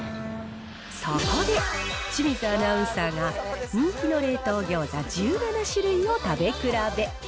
そこで、清水アナウンサーが、人気の冷凍餃子１７種類を食べ比べ。